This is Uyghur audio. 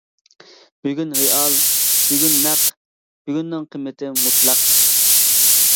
بۈگۈن رېئال، بۈگۈن نەق، بۈگۈننىڭ قىممىتى مۇتلەق.